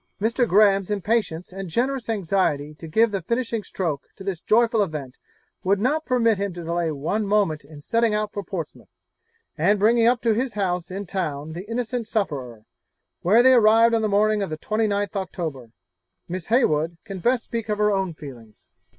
Mr. Graham's impatience and generous anxiety to give the finishing stroke to this joyful event would not permit him to delay one moment in setting out for Portsmouth, and bringing up to his house in town the innocent sufferer, where they arrived on the morning of the 29th October. Miss Heywood can best speak of her own feelings.